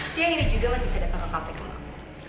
siang ini juga mas bisa datang ke cafe kemang